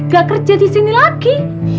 gak kerja disini lagi